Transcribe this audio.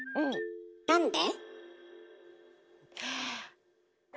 なんで？